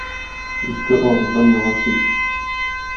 Иске авыздан яңа сүз!